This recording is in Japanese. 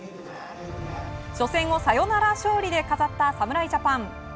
初戦をサヨナラ勝利で飾った侍ジャパン。